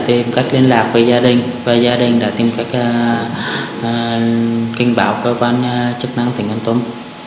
tìm cách liên lạc với gia đình và gia đình tìm cách kinh báo cơ quan chức năng tỉnh văn tùng